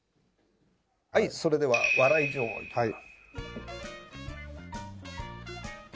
はいそれでは「笑い上戸」いきます。